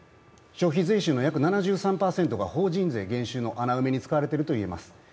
消費税収の約７３％が法人税減収の穴埋めに使われていることになります。